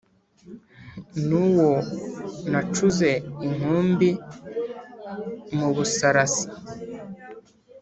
n'uwo nacuze inkumbi mu busarasi;